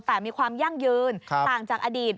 แต่มีความยั่งยืนต่างจากอดีต